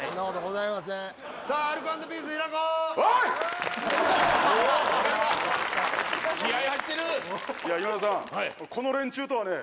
いや今田さん